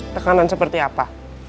tekanan seperti apa